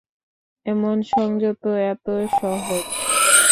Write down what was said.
এমন সংযত এত সহজ।